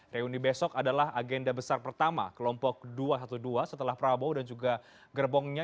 reuni besok adalah agenda besar pertama kelompok dua ratus dua belas setelah prabowo dan juga gerbongnya